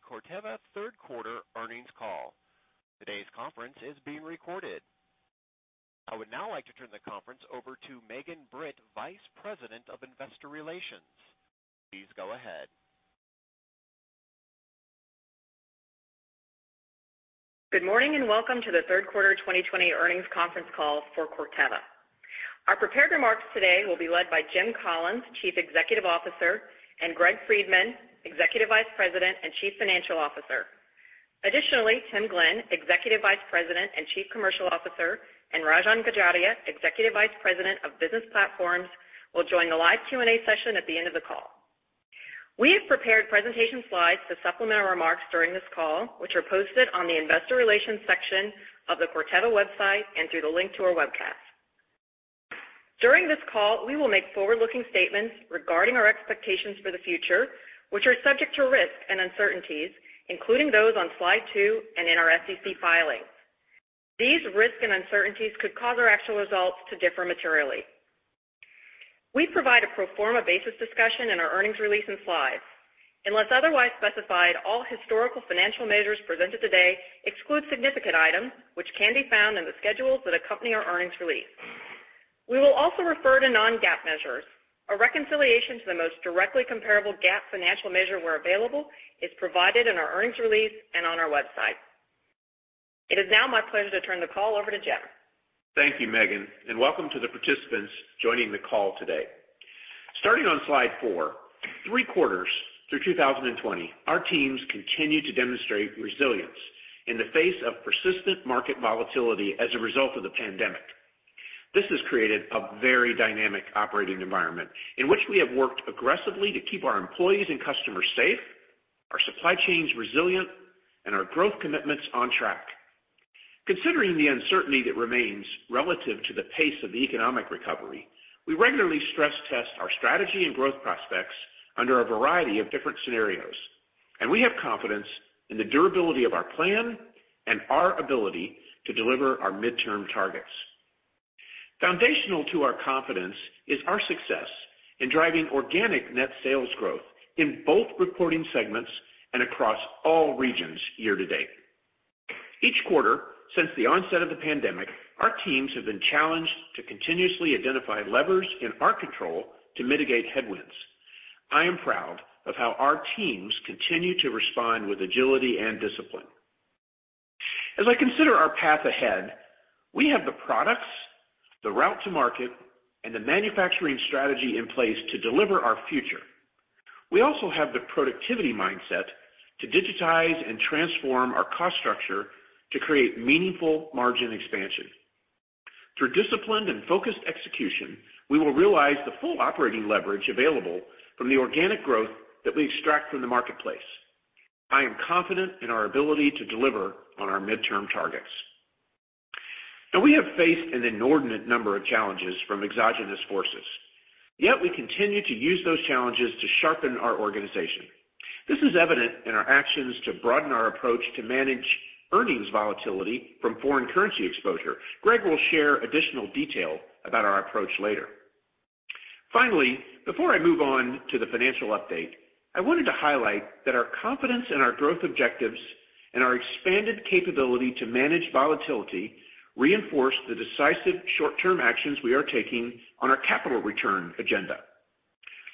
Good day. Welcome to the Corteva third quarter earnings call. Today's conference is being recorded. I would now like to turn the conference over to Megan Britt, Vice President of Investor Relations. Please go ahead. Good morning, welcome to the third quarter 2020 earnings conference call for Corteva. Our prepared remarks today will be led by Jim Collins, Chief Executive Officer, and Greg Friedman, Executive Vice President and Chief Financial Officer. Additionally, Tim Glenn, Executive Vice President and Chief Commercial Officer, and Rajan Gajaria, Executive Vice President of Business Platforms, will join the live Q&A session at the end of the call. We have prepared presentation slides to supplement our remarks during this call, which are posted on the investor relations section of the Corteva website and through the link to our webcast. During this call, we will make forward-looking statements regarding our expectations for the future, which are subject to risk and uncertainties, including those on slide two and in our SEC filings. These risks and uncertainties could cause our actual results to differ materially. We provide a pro forma basis discussion in our earnings release and slides. Unless otherwise specified, all historical financial measures presented today exclude significant items which can be found in the schedules that accompany our earnings release. We will also refer to non-GAAP measures. A reconciliation to the most directly comparable GAAP financial measure where available is provided in our earnings release and on our website. It is now my pleasure to turn the call over to Jim. Thank you, Megan, and welcome to the participants joining the call today. Starting on slide four, three quarters through 2020, our teams continued to demonstrate resilience in the face of persistent market volatility as a result of the pandemic. This has created a very dynamic operating environment in which we have worked aggressively to keep our employees and customers safe, our supply chains resilient, and our growth commitments on track. Considering the uncertainty that remains relative to the pace of economic recovery, we regularly stress test our strategy and growth prospects under a variety of different scenarios, and we have confidence in the durability of our plan and our ability to deliver our midterm targets. Foundational to our confidence is our success in driving organic net sales growth in both reporting segments and across all regions year to date. Each quarter since the onset of the pandemic, our teams have been challenged to continuously identify levers in our control to mitigate headwinds. I am proud of how our teams continue to respond with agility and discipline. As I consider our path ahead, we have the products, the route to market, and the manufacturing strategy in place to deliver our future. We also have the productivity mindset to digitize and transform our cost structure to create meaningful margin expansion. Through disciplined and focused execution, we will realize the full operating leverage available from the organic growth that we extract from the marketplace. I am confident in our ability to deliver on our midterm targets. Now, we have faced an inordinate number of challenges from exogenous forces. Yet we continue to use those challenges to sharpen our organization. This is evident in our actions to broaden our approach to manage earnings volatility from foreign currency exposure. Greg will share additional detail about our approach later. Finally, before I move on to the financial update, I wanted to highlight that our confidence in our growth objectives and our expanded capability to manage volatility reinforce the decisive short-term actions we are taking on our capital return agenda.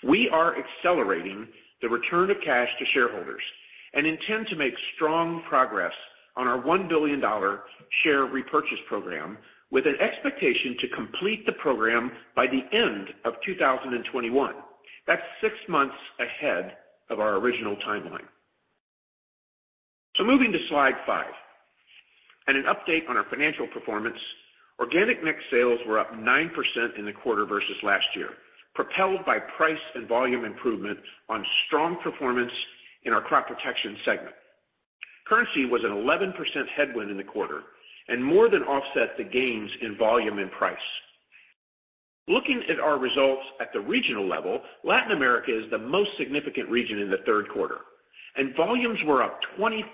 We are accelerating the return of cash to shareholders and intend to make strong progress on our $1 billion share repurchase program with an expectation to complete the program by the end of 2021. That's six months ahead of our original timeline. Moving to slide five and an update on our financial performance. Organic net sales were up 9% in the quarter versus last year, propelled by price and volume improvement on strong performance in our Crop Protection segment. Currency was an 11% headwind in the quarter and more than offset the gains in volume and price. Looking at our results at the regional level, Latin America is the most significant region in the third quarter, and volumes were up 25%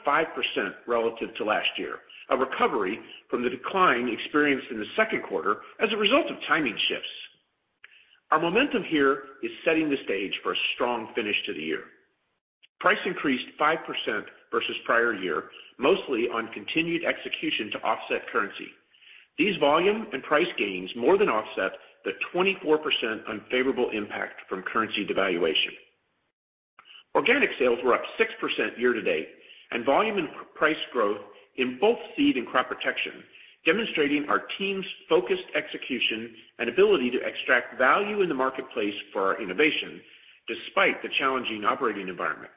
relative to last year, a recovery from the decline experienced in the second quarter as a result of timing shifts. Our momentum here is setting the stage for a strong finish to the year. Price increased 5% versus prior year, mostly on continued execution to offset currency. These volume and price gains more than offset the 24% unfavorable impact from currency devaluation. Organic sales were up 6% year to date and volume and price growth in both Seed and Crop Protection, demonstrating our team's focused execution and ability to extract value in the marketplace for our innovation despite the challenging operating environment.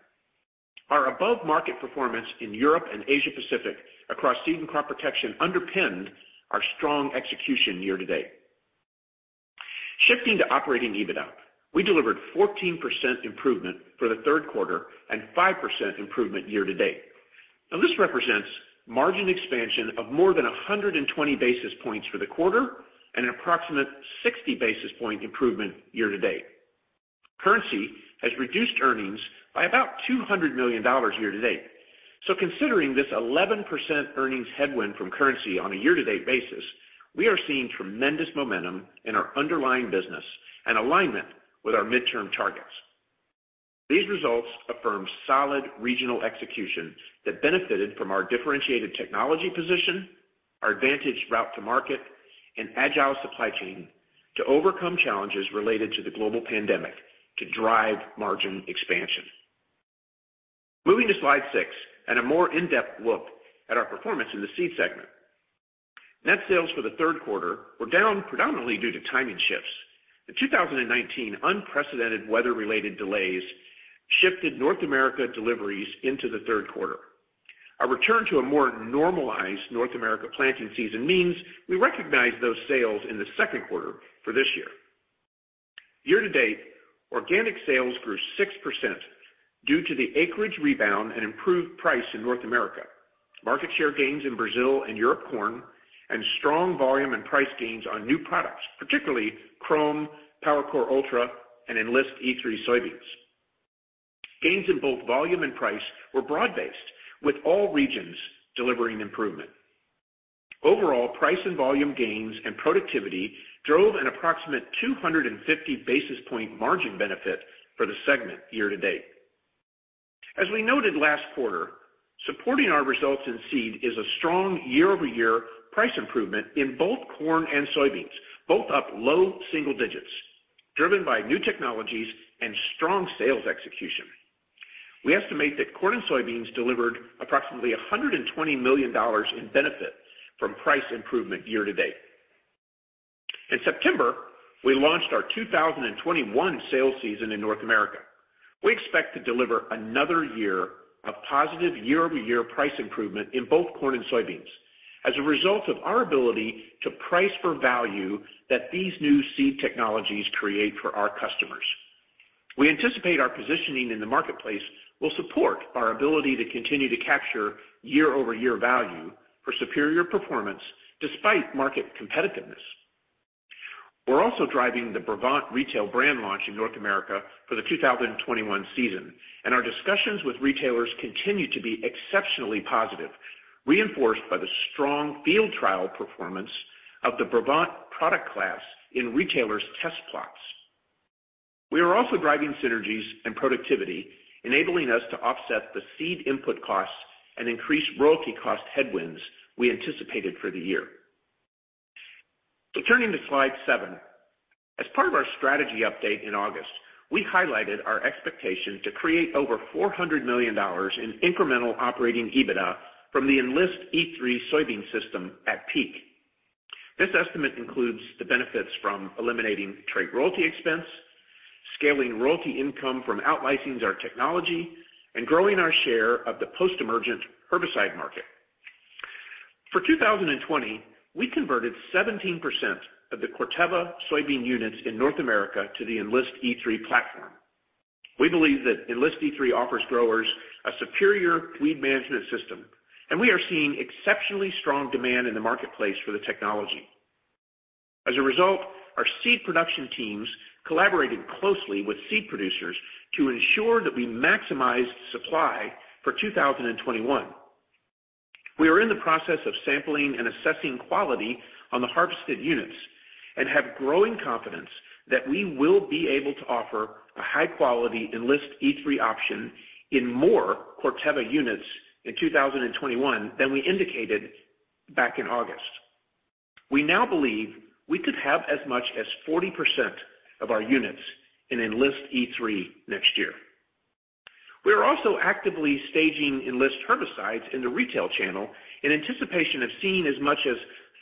Our above-market performance in Europe and Asia Pacific across seed and crop protection underpinned our strong execution year-to-date. Shifting to Operating EBITDA, we delivered 14% improvement for the third quarter and 5% improvement year-to-date. This represents margin expansion of more than 120 basis points for the quarter and an approximate 60 basis point improvement year-to-date. Currency has reduced earnings by about $200 million year-to-date. Considering this 11% earnings headwind from currency on a year-to-date basis, we are seeing tremendous momentum in our underlying business and alignment with our midterm targets. These results affirm solid regional execution that benefited from our differentiated technology position, our advantage route to market, and agile supply chain to overcome challenges related to the global pandemic to drive margin expansion. Moving to slide six and a more in-depth look at our performance in the Seed segment. Net sales for the third quarter were down predominantly due to timing shifts. The 2019 unprecedented weather-related delays shifted North America deliveries into the third quarter. Our return to a more normalized North America planting season means we recognize those sales in the second quarter for this year. Year-to-date, organic sales grew 6% due to the acreage rebound and improved price in North America, market share gains in Brazil and Europe corn, and strong volume and price gains on new products, particularly Qrome, PowerCore Ultra, and Enlist E3 soybeans. Gains in both volume and price were broad-based, with all regions delivering improvement. Overall, price and volume gains and productivity drove an approximate 250 basis point margin benefit for the segment year-to-date. As we noted last quarter, supporting our results in seed is a strong year-over-year price improvement in both corn and soybeans, both up low single digits, driven by new technologies and strong sales execution. We estimate that corn and soybeans delivered approximately $120 million in benefit from price improvement year-to-date. In September, we launched our 2021 sales season in North America. We expect to deliver another year of positive year-over-year price improvement in both corn and soybeans as a result of our ability to price for value that these new seed technologies create for our customers. We anticipate our positioning in the marketplace will support our ability to continue to capture year-over-year value for superior performance despite market competitiveness. We're also driving the Brevant retail brand launch in North America for the 2021 season. Our discussions with retailers continue to be exceptionally positive, reinforced by the strong field trial performance of the Brevant product class in retailers' test plots. We are also driving synergies and productivity, enabling us to offset the seed input costs and increase royalty cost headwinds we anticipated for the year. Turning to slide seven. As part of our strategy update in August, we highlighted our expectation to create over $400 million in incremental Operating EBITDA from the Enlist E3 soybean system at peak. This estimate includes the benefits from eliminating trait royalty expense, scaling royalty income from out-licensing our technology, and growing our share of the post-merger herbicide market. For 2020, we converted 17% of the Corteva soybean units in North America to the Enlist E3 platform. We believe that Enlist E3 offers growers a superior weed management system, and we are seeing exceptionally strong demand in the marketplace for the technology. As a result, our seed production teams collaborated closely with seed producers to ensure that we maximize supply for 2021. We are in the process of sampling and assessing quality on the harvested units and have growing confidence that we will be able to offer a high-quality Enlist E3 option in more Corteva units in 2021 than we indicated back in August. We now believe we could have as much as 40% of our units in Enlist E3 next year. We are also actively staging Enlist herbicides in the retail channel in anticipation of seeing as much as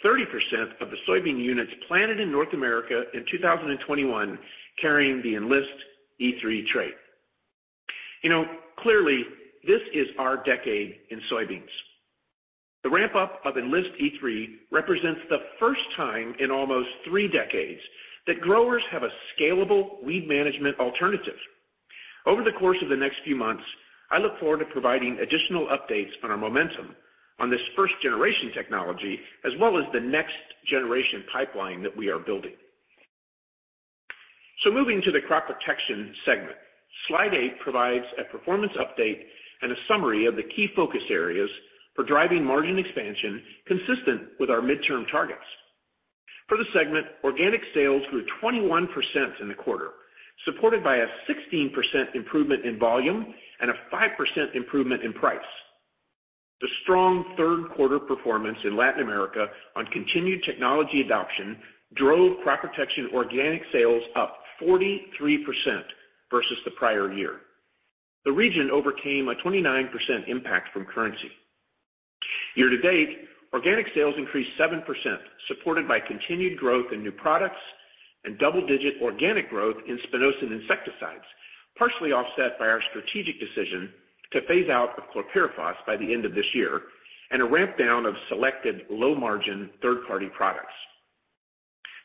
30% of the soybean units planted in North America in 2021 carrying the Enlist E3 trait. Clearly, this is our decade in soybeans. The ramp-up of Enlist E3 represents the first time in almost three decades that growers have a scalable weed management alternative. Over the course of the next few months, I look forward to providing additional updates on our momentum on this first generation technology as well as the next generation pipeline that we are building. Moving to the Crop Protection segment. Slide eight provides a performance update and a summary of the key focus areas for driving margin expansion consistent with our midterm targets. For the segment, organic sales grew 21% in the quarter, supported by a 16% improvement in volume and a 5% improvement in price. The strong third quarter performance in Latin America on continued technology adoption drove Crop Protection organic sales up 43% versus the prior year. The region overcame a 29% impact from currency. Year-to-date, organic sales increased 7%, supported by continued growth in new products and double-digit organic growth in spinosyn insecticides, partially offset by our strategic decision to phase out the chlorpyrifos by the end of this year and a ramp down of selected low-margin third-party products.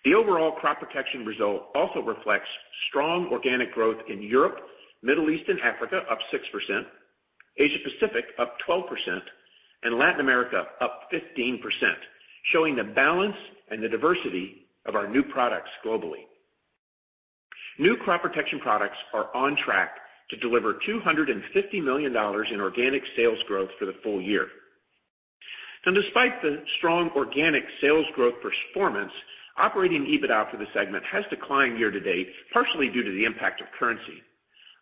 The overall crop protection result also reflects strong organic growth in Europe, Middle East and Africa up 6%, Asia Pacific up 12%, and Latin America up 15%, showing the balance and the diversity of our new products globally. New Crop Protection products are on track to deliver $250 million in organic sales growth for the full year. Despite the strong organic sales growth performance, Operating EBITDA for the segment has declined year-to-date, partially due to the impact of currency.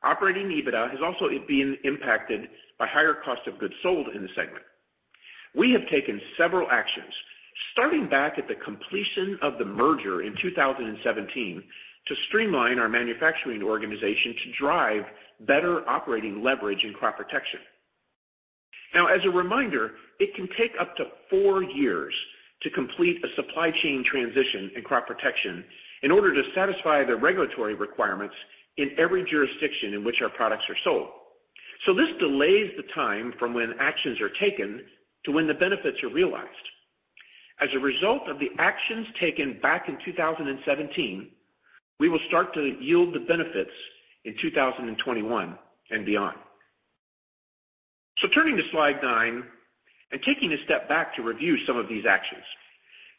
Operating EBITDA has also been impacted by higher cost of goods sold in the segment. We have taken several actions, starting back at the completion of the merger in 2017, to streamline our manufacturing organization to drive better operating leverage in crop protection. As a reminder, it can take up to four years to complete a supply chain transition in Crop Protection in order to satisfy the regulatory requirements in every jurisdiction in which our products are sold. This delays the time from when actions are taken to when the benefits are realized. As a result of the actions taken back in 2017, we will start to yield the benefits in 2021 and beyond. Turning to slide nine and taking a step back to review some of these actions.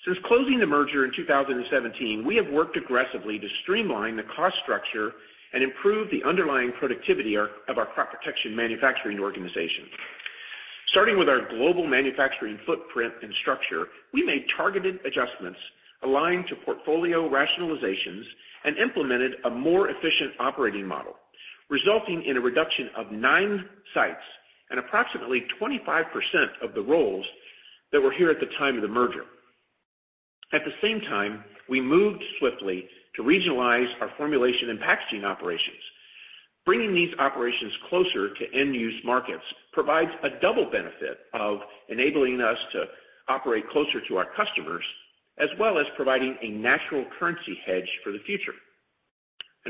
Since closing the merger in 2017, we have worked aggressively to streamline the cost structure and improve the underlying productivity of our crop protection manufacturing organization. Starting with our global manufacturing footprint and structure, we made targeted adjustments aligned to portfolio rationalizations and implemented a more efficient operating model, resulting in a reduction of nine sites and approximately 25% of the roles that were here at the time of the merger. At the same time, we moved swiftly to regionalize our formulation and packaging operations. Bringing these operations closer to end-use markets provides a double benefit of enabling us to operate closer to our customers, as well as providing a natural currency hedge for the future.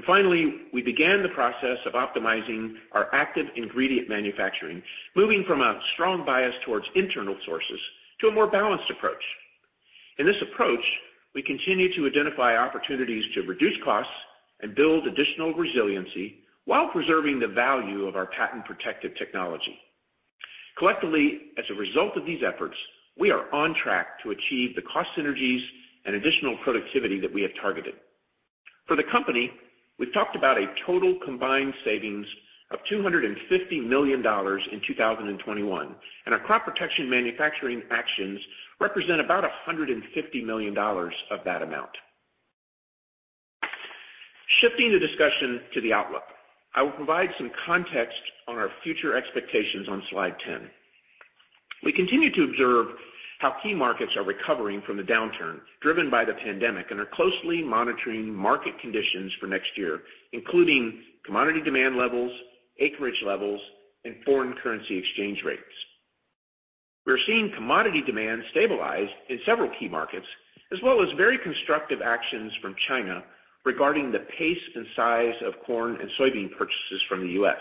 Finally, we began the process of optimizing our active ingredient manufacturing, moving from a strong bias towards internal sources to a more balanced approach. In this approach, we continue to identify opportunities to reduce costs and build additional resiliency while preserving the value of our patent-protected technology. Collectively, as a result of these efforts, we are on track to achieve the cost synergies and additional productivity that we have targeted. For the company, we've talked about a total combined savings of $250 million in 2021, and our crop protection manufacturing actions represent about $150 million of that amount. Shifting the discussion to the outlook. I will provide some context on our future expectations on slide 10. We continue to observe how key markets are recovering from the downturn driven by the pandemic and are closely monitoring market conditions for next year, including commodity demand levels, acreage levels, and foreign currency exchange rates. We're seeing commodity demand stabilize in several key markets, as well as very constructive actions from China regarding the pace and size of corn and soybean purchases from the U.S.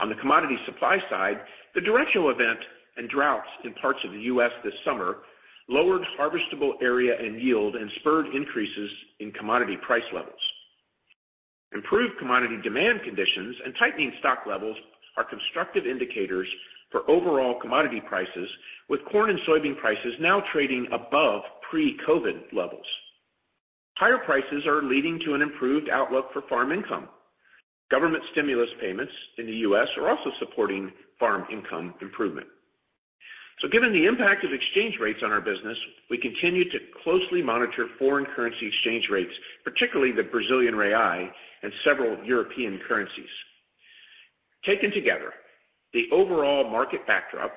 On the commodity supply side, the derecho event and droughts in parts of the U.S. this summer lowered harvestable area and yield and spurred increases in commodity price levels. Improved commodity demand conditions and tightening stock levels are constructive indicators for overall commodity prices, with corn and soybean prices now trading above pre-COVID levels. Higher prices are leading to an improved outlook for farm income. Government stimulus payments in the U.S. are also supporting farm income improvement. Given the impact of exchange rates on our business, we continue to closely monitor foreign currency exchange rates, particularly the BRL and several European currencies. Taken together, the overall market backdrop,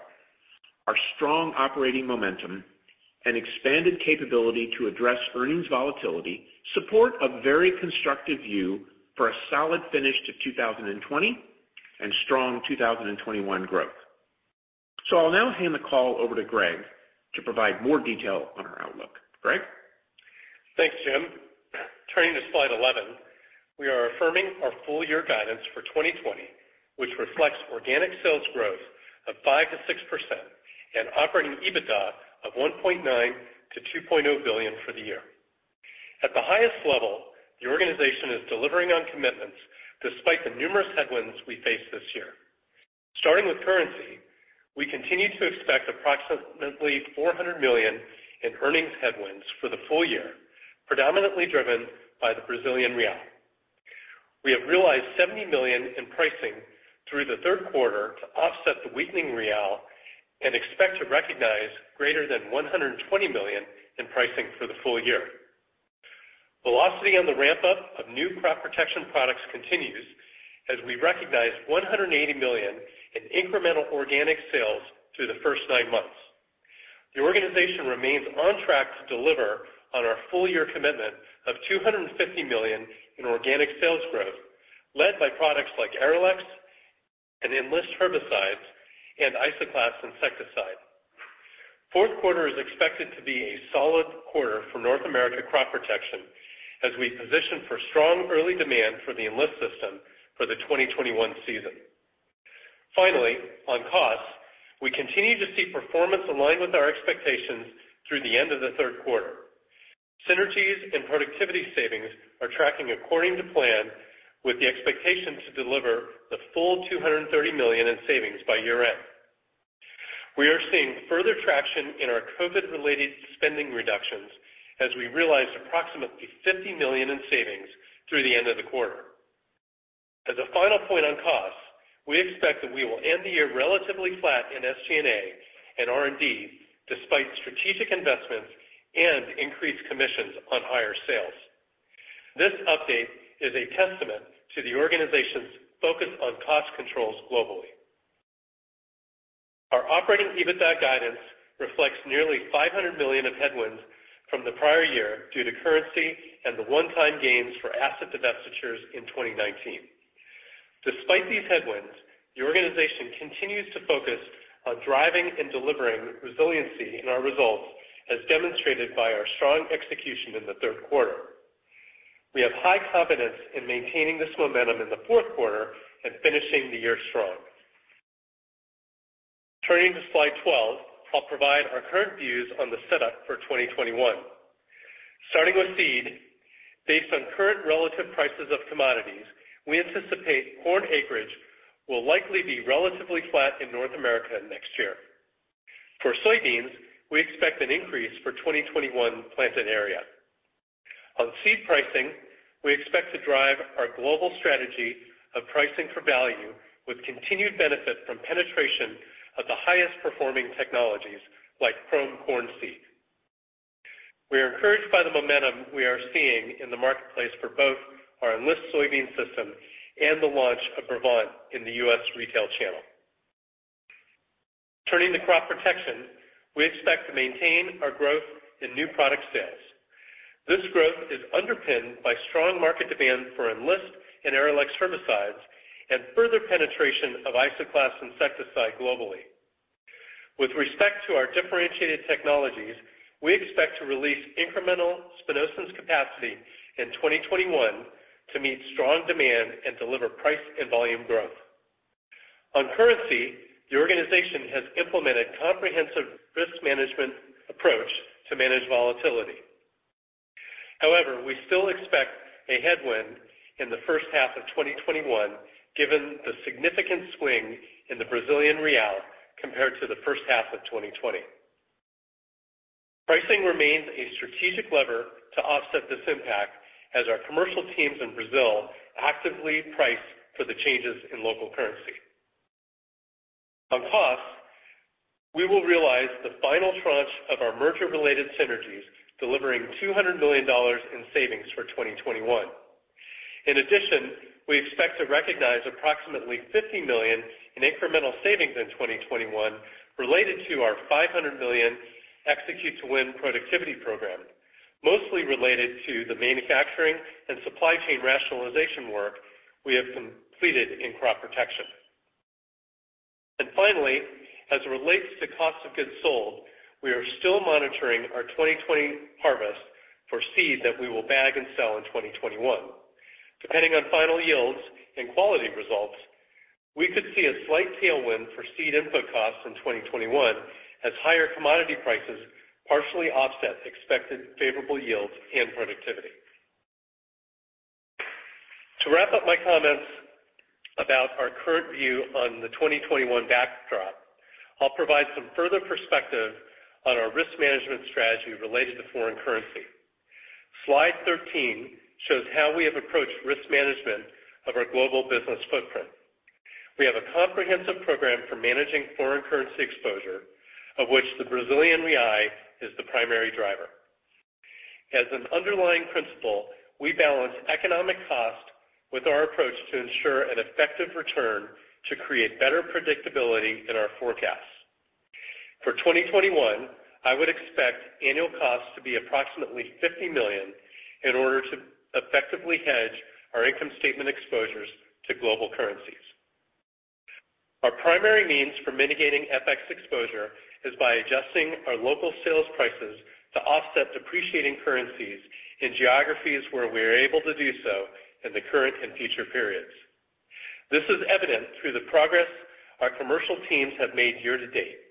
our strong operating momentum, and expanded capability to address earnings volatility support a very constructive view for a solid finish to 2020 and strong 2021 growth. I'll now hand the call over to Greg to provide more detail on our outlook. Greg? Thanks, Jim. Turning to slide 11, we are affirming our full-year guidance for 2020, which reflects organic sales growth of 5%-6% and Operating EBITDA of $1.9 billion-$2 billion for the year. At the highest level, the organization is delivering on commitments despite the numerous headwinds we faced this year. Starting with currency, we continue to expect approximately $400 million in earnings headwinds for the full year, predominantly driven by the Brazilian real. We have realized $70 million in pricing through the third quarter to offset the weakening real and expect to recognize greater than $120 million in pricing for the full year. Velocity on the ramp-up of new crop protection products continues as we recognize $180 million in incremental organic sales through the first nine months. The organization remains on track to deliver on our full-year commitment of $250 million in organic sales growth, led by products like Arylex, and Enlist herbicides, and Isoclast insecticide. Fourth quarter is expected to be a solid quarter for North America Crop Protection as we position for strong early demand for the Enlist system for the 2021 season. Finally, on costs, we continue to see performance aligned with our expectations through the end of the third quarter. Synergies and productivity savings are tracking according to plan with the expectation to deliver the full $230 million in savings by year-end. We are seeing further traction in our COVID-related spending reductions as we realized approximately $50 million in savings through the end of the quarter. As a final point on costs, we expect that we will end the year relatively flat in SG&A and R&D despite strategic investments and increased commissions on higher sales. This update is a testament to the organization's focus on cost controls globally. Our Operating EBITDA guidance reflects nearly $500 million of headwinds from the prior year due to currency and the one-time gains for asset divestitures in 2019. Despite these headwinds, the organization continues to focus on driving and delivering resiliency in our results as demonstrated by our strong execution in the third quarter. We have high confidence in maintaining this momentum in the fourth quarter and finishing the year strong. Turning to slide 12, I'll provide our current views on the setup for 2021. Starting with Seed, based on current relative prices of commodities, we anticipate corn acreage will likely be relatively flat in North America next year. For soybeans, we expect an increase for 2021 planted area. On seed pricing, we expect to drive our global strategy of pricing for value with continued benefit from penetration of the highest performing technologies like PRO3 corn seed. We are encouraged by the momentum we are seeing in the marketplace for both our Enlist soybean system and the launch of Brevant in the U.S. retail channel. Turning to Crop Protection, we expect to maintain our growth in new product sales. This growth is underpinned by strong market demand for Enlist and Arylex herbicides and further penetration of Isoclast insecticide globally. With respect to our differentiated technologies, we expect to release incremental spinosyns capacity in 2021 to meet strong demand and deliver price and volume growth. On currency, the organization has implemented comprehensive risk management approach to manage volatility. However, we still expect a headwind in the first half of 2021 given the significant swing in the Brazilian real compared to the first half of 2020. Pricing remains a strategic lever to offset this impact as our commercial teams in Brazil actively price for the changes in local currency. On costs, we will realize the final tranche of our merger-related synergies, delivering $200 million in savings for 2021. In addition, we expect to recognize approximately $50 million in incremental savings in 2021 related to our $500 million Execute to Win Productivity program, mostly related to the manufacturing and supply chain rationalization work we have completed in Crop Protection. Finally, as it relates to cost of goods sold, we are still monitoring our 2020 harvest for seed that we will bag and sell in 2021. Depending on final yields and quality results, we could see a slight tailwind for seed input costs in 2021 as higher commodity prices partially offset expected favorable yields and productivity. To wrap up my comments about our current view on the 2021 backdrop, I'll provide some further perspective on our risk management strategy related to foreign currency. Slide 13 shows how we have approached risk management of our global business footprint. We have a comprehensive program for managing foreign currency exposure, of which the Brazilian real is the primary driver. As an underlying principle, we balance economic cost with our approach to ensure an effective return to create better predictability in our forecasts. For 2021, I would expect annual costs to be approximately $50 million in order to effectively hedge our income statement exposures to global currencies. Our primary means for mitigating FX exposure is by adjusting our local sales prices to offset depreciating currencies in geographies where we are able to do so in the current and future periods. This is evident through the progress our commercial teams have made year to date.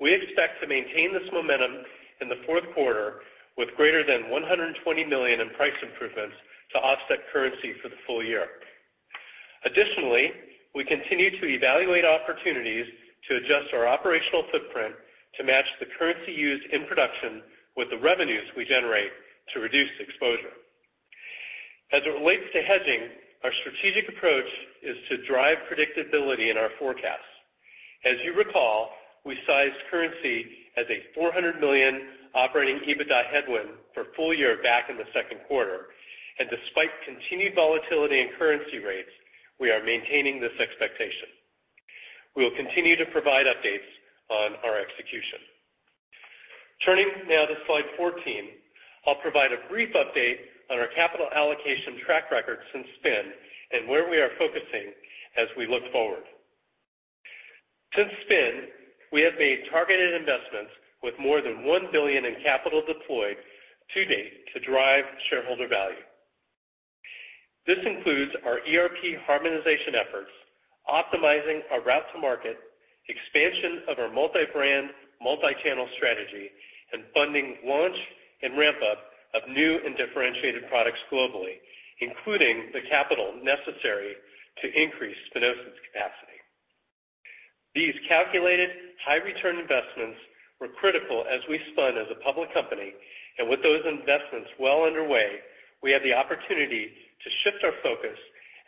We expect to maintain this momentum in the fourth quarter with greater than $120 million in price improvements to offset currency for the full year. Additionally, we continue to evaluate opportunities to adjust our operational footprint to match the currency used in production with the revenues we generate to reduce exposure. As it relates to hedging, our strategic approach is to drive predictability in our forecasts. As you recall, we sized currency as a $400 million Operating EBITDA headwind for full year back in the second quarter, and despite continued volatility in currency rates, we are maintaining this expectation. We will continue to provide updates on our execution. Turning now to slide 14, I'll provide a brief update on our capital allocation track record since spin and where we are focusing as we look forward. Since spin, we have made targeted investments with more than $1 billion in capital deployed to date to drive shareholder value. This includes our ERP harmonization efforts, optimizing our route to market, expansion of our multi-brand, multi-channel strategy, and funding launch and ramp-up of new and differentiated products globally, including the capital necessary to increase spinosyns capacity. These calculated high return investments were critical as we spun as a public company. With those investments well underway, we have the opportunity to shift our focus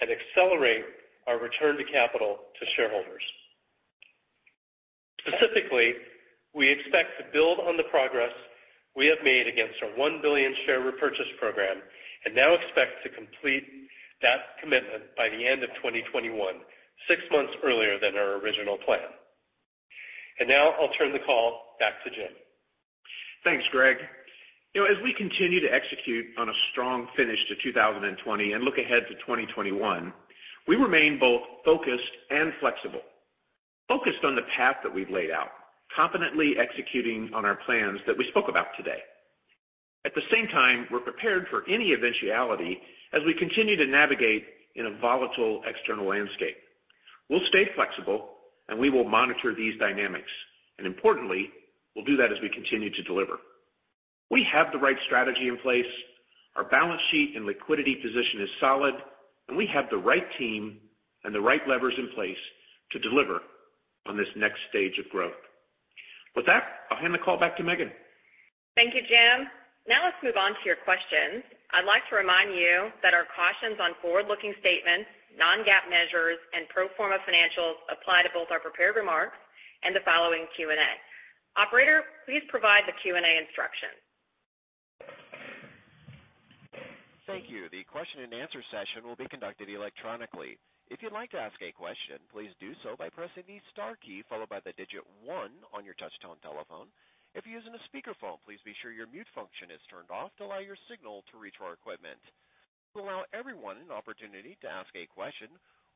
and accelerate our return to capital to shareholders. Specifically, we expect to build on the progress we have made against our $1 billion share repurchase program, and now expect to complete that commitment by the end of 2021, six months earlier than our original plan. Now I'll turn the call back to Jim. Thanks, Greg. As we continue to execute on a strong finish to 2020 and look ahead to 2021, we remain both focused and flexible. Focused on the path that we've laid out, competently executing on our plans that we spoke about today. At the same time, we're prepared for any eventuality as we continue to navigate in a volatile external landscape. We'll stay flexible and we will monitor these dynamics. Importantly, we'll do that as we continue to deliver. We have the right strategy in place. Our balance sheet and liquidity position is solid, and we have the right team and the right levers in place to deliver on this next stage of growth. With that, I'll hand the call back to Megan. Thank you, Jim. Now let's move on to your questions. I'd like to remind you that our cautions on forward-looking statements, non-GAAP measures, and pro forma financials apply to both our prepared remarks and the following Q&A. Operator, please provide the Q&A instruction. Thank you. The question and answer session will be conducted electronically. If you'd like to ask a question, please do so by pressing the star key followed by the digit one on your touchtone telephone. If you're using a speakerphone, please be sure your mute function is turned off to allow your signal to reach our equipment. To allow everyone an opportunity to ask a question,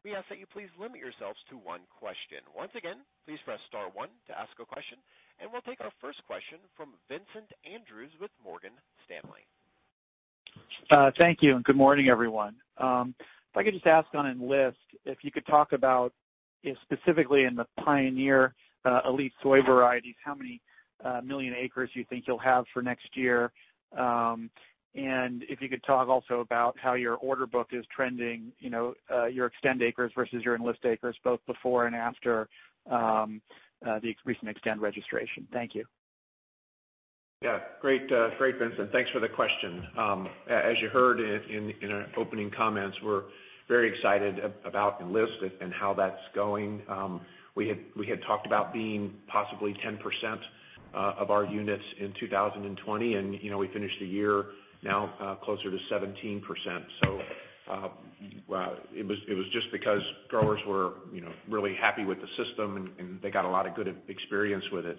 we ask that you please limit yourselves to one question. Once again, please press star one to ask a question, and we'll take our first question from Vincent Andrews with Morgan Stanley. Thank you. Good morning, everyone. If I could just ask on Enlist if you could talk about specifically in the Pioneer elite soy varieties, how many million acres you think you'll have for next year. If you could talk also about how your order book is trending, your Xtend acres versus your Enlist acres, both before and after the recent Xtend registration. Thank you. Yeah. Great, Vincent. Thanks for the question. As you heard in our opening comments, we're very excited about Enlist and how that's going. We had talked about being possibly 10% of our units in 2020, and we finished the year now closer to 17%. It was just because growers were really happy with the system and they got a lot of good experience with it.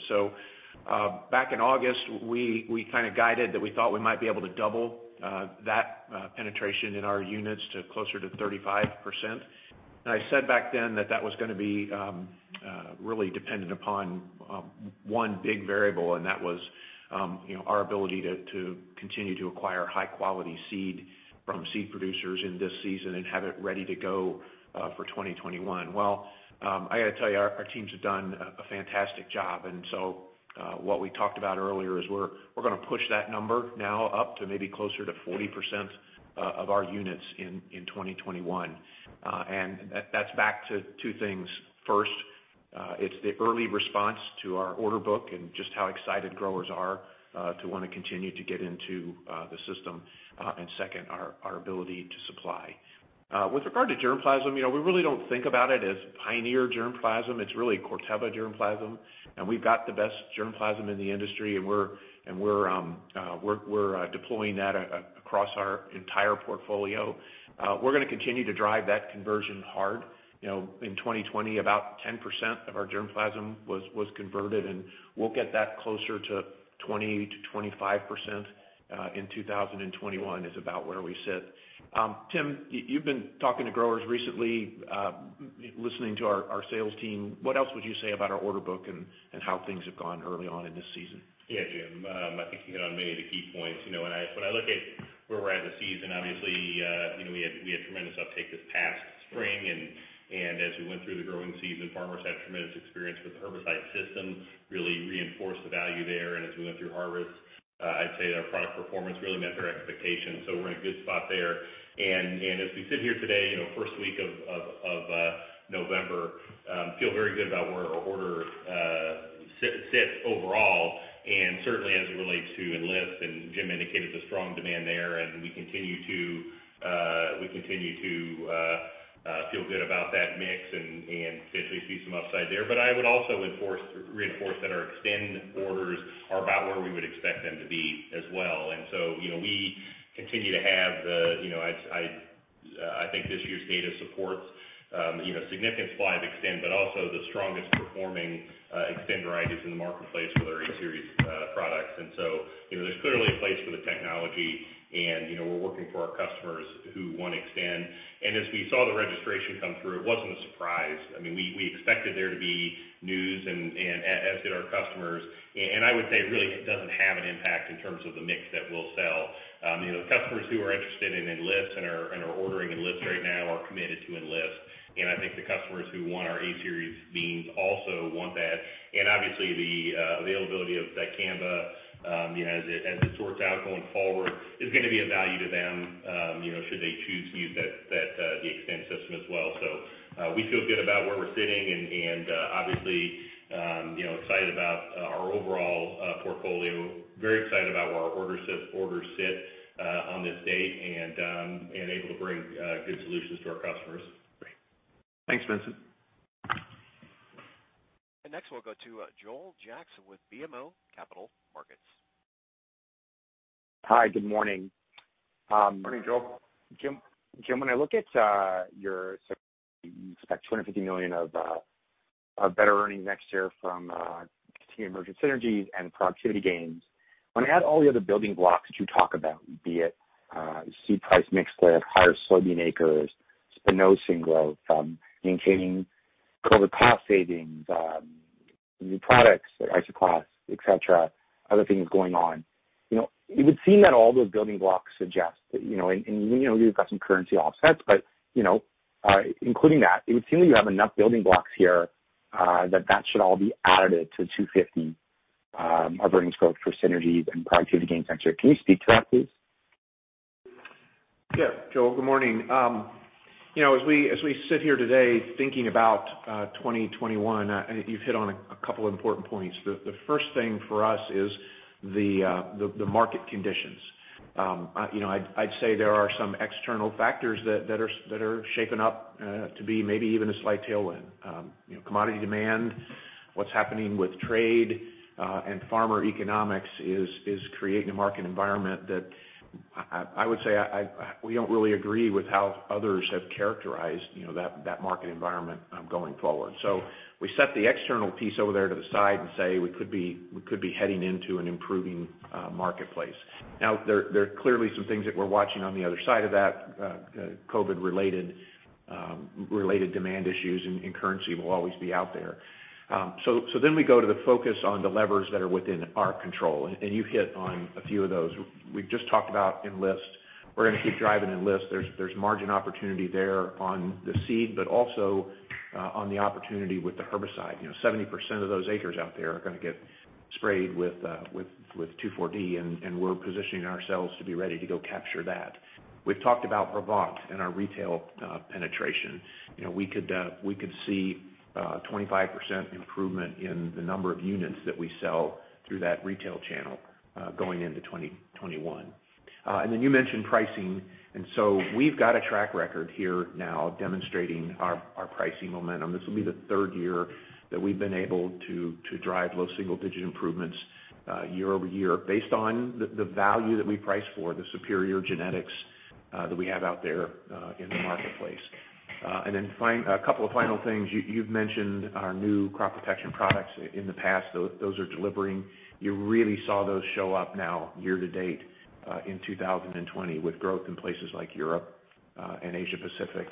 Back in August, we kind of guided that we thought we might be able to double that penetration in our units to closer to 35%. I said back then that that was going to be really dependent upon one big variable, and that was our ability to continue to acquire high quality seed from seed producers in this season and have it ready to go for 2021. Well, I got to tell you, our teams have done a fantastic job. What we talked about earlier is we're going to push that number now up to maybe closer to 40% of our units in 2021. That's back to two things. First, it's the early response to our order book and just how excited growers are to want to continue to get into the system, and second, our ability to supply. With regard to germplasm, we really don't think about it as Pioneer germplasm. It's really Corteva germplasm, and we've got the best germplasm in the industry, and we're deploying that across our entire portfolio. We're going to continue to drive that conversion hard. In 2020, about 10% of our germplasm was converted, and we'll get that closer to 20%-25% in 2021, is about where we sit. Tim, you've been talking to growers recently, listening to our sales team. What else would you say about our order book and how things have gone early on in this season? Yeah, Jim, I think you hit on many of the key points. When I look at where we're at in the season, obviously, we had tremendous uptake this past spring. As we went through the growing season, farmers had tremendous experience with the herbicide system, really reinforced the value there. As we went through harvest, I'd say our product performance really met their expectations. We're in a good spot there. As we sit here today, first week of November, feel very good about where our order sits overall and certainly as it relates to Enlist. Jim indicated the strong demand there. We continue to feel good about that mix and potentially see some upside there. I would also reinforce that our Xtend orders are about where we would expect them to be as well. We continue to have, I think this year's data supports significant supply of Xtend, but also the strongest performing Xtend varieties in the marketplace with our A-Series products. There's clearly a place for the technology, and we're working for our customers who want Xtend. As we saw the registration come through, it wasn't a surprise. We expected there to be news, as did our customers. I would say, really, it doesn't have an impact in terms of the mix that we'll sell. The customers who are interested in Enlist and are ordering Enlist right now are committed to Enlist. I think the customers who want our A-Series beans also. Obviously the availability of that dicamba, as it sorts out going forward, is going to be of value to them, should they choose to use the Xtend system as well. We feel good about where we're sitting and obviously excited about our overall portfolio. Very excited about where our orders sit on this date and able to bring good solutions to our customers. Great. Thanks, Vincent. Next, we'll go to Joel Jackson with BMO Capital Markets. Hi, good morning. Morning, Joel. Jim, when I look at your, you expect $250 million of better earnings next year from continued emergent synergies and productivity gains. When I add all the other building blocks that you talk about, be it seed price mix lift, higher soybean acres, spinosyn growth, maintaining COVID cost savings, new products like Isoclast, et cetera, other things going on. It would seem that all those building blocks suggest that, and you've got some currency offsets, but including that, it would seem that you have enough building blocks here, that should all be additive to $250 of earnings growth for synergies and productivity gains next year. Can you speak to that, please? Yeah, Joel, good morning. As we sit here today thinking about 2021, you've hit on a couple important points. The first thing for us is the market conditions. I'd say there are some external factors that are shaping up to be maybe even a slight tailwind. Commodity demand, what's happening with trade, and farmer economics is creating a market environment that I would say we don't really agree with how others have characterized that market environment going forward. We set the external piece over there to the side and say we could be heading into an improving marketplace. There are clearly some things that we're watching on the other side of that. COVID-related demand issues and currency will always be out there. We go to the focus on the levers that are within our control, and you hit on a few of those. We've just talked about Enlist. We're going to keep driving Enlist. There's margin opportunity there on the seed, but also on the opportunity with the herbicide. 70% of those acres out there are going to get sprayed with 2,4-D and we're positioning ourselves to be ready to go capture that. We've talked about Brevant and our retail penetration. We could see a 25% improvement in the number of units that we sell through that retail channel going into 2021. You mentioned pricing, we've got a track record here now demonstrating our pricing momentum. This will be the third year that we've been able to drive low single-digit improvements year-over-year based on the value that we price for, the superior genetics that we have out there in the marketplace. A couple of final things. You've mentioned our new crop protection products in the past. Those are delivering. You really saw those show up now year-to-date in 2020 with growth in places like Europe and Asia Pacific.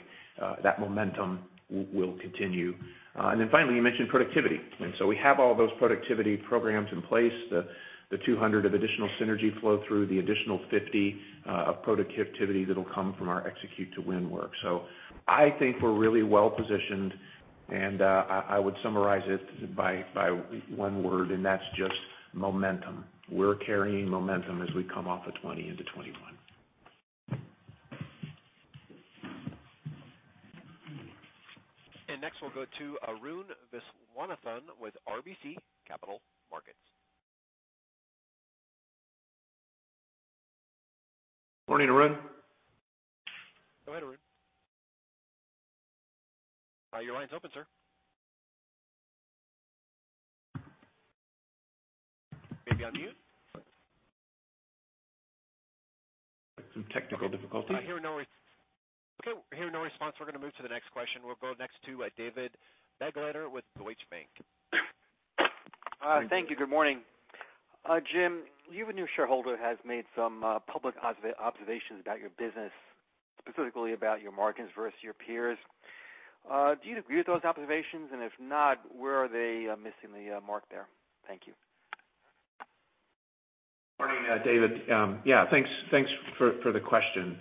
That momentum will continue. Finally, you mentioned productivity. We have all those productivity programs in place. The $200 million of additional synergy flow through, the additional $50 million of productivity that'll come from our Execute to Win work. I think we're really well-positioned, and I would summarize it by one word, and that's just momentum. We're carrying momentum as we come off of 2020 into 2021. Next, we'll go to Arun Viswanathan with RBC Capital Markets. Morning, Arun. Go ahead, Arun. Your line's open, sir. Maybe on mute? Some technical difficulties. Hearing no response, we're going to move to the next question. We'll go next to David Begleiter with Deutsche Bank. Thank you. Good morning. Jim, your new shareholder has made some public observations about your business, specifically about your margins versus your peers. Do you agree with those observations? If not, where are they missing the mark there? Thank you. Morning, David. Yeah, thanks for the question.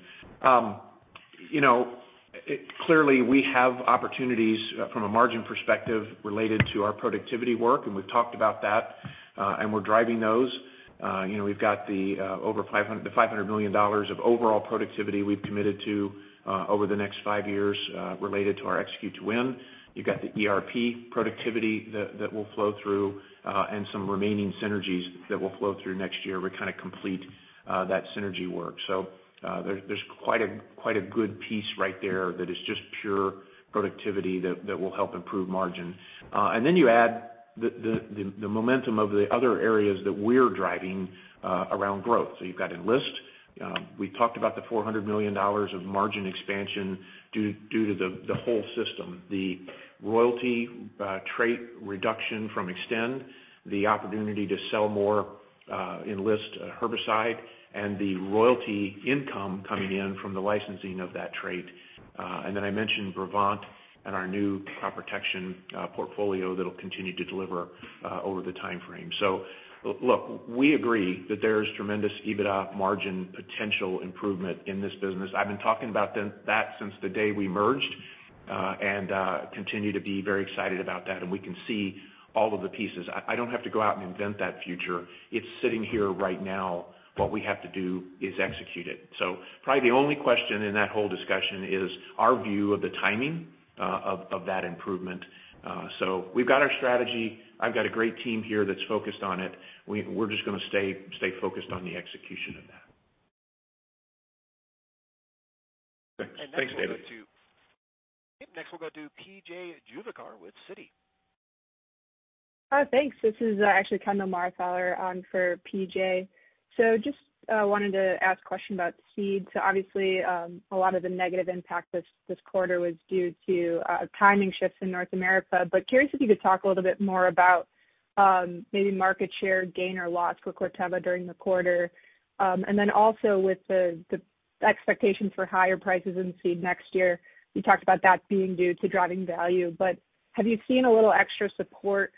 Clearly, we have opportunities from a margin perspective related to our productivity work, and we've talked about that, and we're driving those. We've got the $500 million of overall productivity we've committed to over the next five years related to our Execute to Win. You've got the ERP productivity that will flow through and some remaining synergies that will flow through next year. We kind of complete that synergy work. There's quite a good piece right there that is just pure productivity that will help improve margin. You add the momentum of the other areas that we're driving around growth. You've got Enlist. We talked about the $400 million of margin expansion due to the whole system, the royalty trait reduction from Xtend, the opportunity to sell more Enlist herbicide, and the royalty income coming in from the licensing of that trait. I mentioned Brevant and our new Crop Protection portfolio that'll continue to deliver over the time frame. We agree that there is tremendous EBITDA margin potential improvement in this business. I've been talking about that since the day we merged. Continue to be very excited about that, and we can see all of the pieces. I don't have to go out and invent that future. It's sitting here right now. What we have to do is execute it. Probably the only question in that whole discussion is our view of the timing of that improvement. We've got our strategy. I've got a great team here that's focused on it. We're just going to stay focused on the execution of that. Thanks, David. Next, we'll go to P.J. Juvekar with Citi. Thanks. This is actually Kendall Marthaler on for P.J. Just wanted to ask question about seeds. Obviously, a lot of the negative impact this quarter was due to timing shifts in North America, but curious if you could talk a little bit more about maybe market share gain or loss for Corteva during the quarter. Then also with the expectations for higher prices in seed next year, you talked about that being due to driving value, but have you seen a little extra support,